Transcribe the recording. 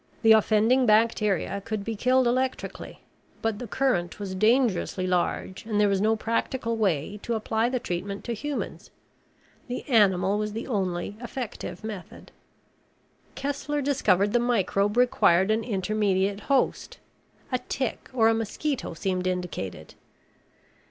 The offending bacteria could be killed electrically. But the current was dangerously large and there was no practical way to apply the treatment to humans. The animal was the only effective method. Kessler discovered the microbe required an intermediate host. A tick or a mosquito seemed indicated.